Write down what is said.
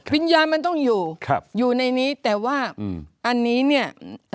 วิญญาณมันต้องอยู่อยู่ในนี้แต่ว่าอันนี้เนี่ย